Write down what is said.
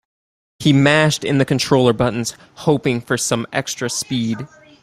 He mashed in the controller buttons, hoping for some extra speed.